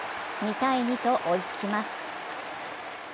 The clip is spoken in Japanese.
２−２と追いつきます。